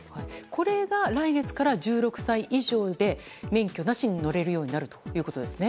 これが来月から、１６歳以上で免許なしでも乗れるようになるということですね。